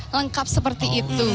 lengkap seperti itu